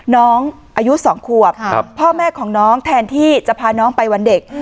น้องอายุ๒ขวบพ่อแม่ของน้องแทนที่จะพาน้องไปวันเด็ก